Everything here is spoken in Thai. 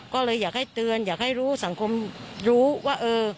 ก็เลยอยากให้เตือนอยากให้รู้สังคมรู้ว่าเออ